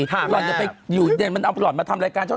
หล่อนจะไปอยู่เด่นมันเอาหล่อนมาทำรายการช่อง